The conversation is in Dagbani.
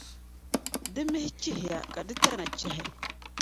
di mihi chihiya, ka di tana chahi.